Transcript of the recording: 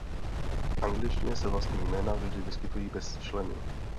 V angličtině se vlastní jména vždy vyskytují bez členu.